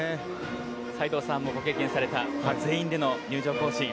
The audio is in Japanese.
斎藤さんもご経験された全員での入場行進。